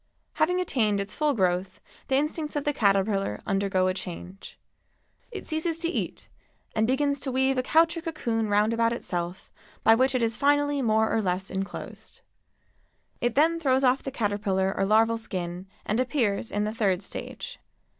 Having attained its full growth the instincts of the caterpillar undergo a change. It ceases to eat and begins to weave a couch or cocoon round about itself by which it is finally more or less enclosed. It then throws off the caterpillar or larval skin and appears in the third stage.